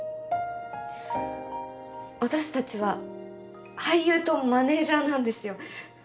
私たちは俳優とマネージャーなんですよ。